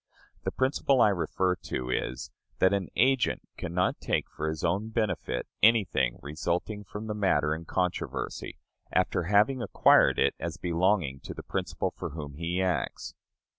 The principle I refer to is, that an agent can not take for his own benefit anything resulting from the matter in controversy, after having acquired it as belonging to the principal for whom he acts.